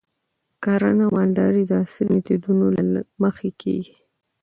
کرنه او مالداري د عصري میتودونو له مخې کیږي.